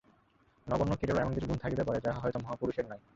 নগণ্য কীটেরও এমন কিছু গুণ থাকিতে পারে, যাহা হয়তো মহাপুরুষের নাই।